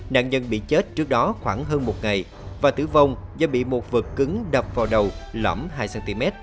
nạn nhân bị chết trước đó khoảng hơn một ngày và tử vong do bị một vật cứng đập vào đầu lõm hai cm